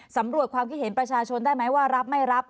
สำรวจความคิดเห็นประชาชนได้ไหมว่ารับไม่รับ